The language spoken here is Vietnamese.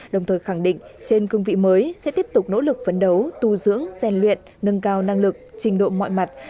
đồng thời khẳng định trên cương vị mới sẽ tiếp tục nỗ lực phấn đấu tu dưỡng rèn luyện nâng cao năng lực trình độ mọi mặt